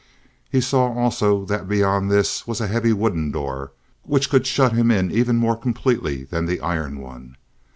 He saw also that beyond this was a heavy wooden door, which could shut him in even more completely than the iron one.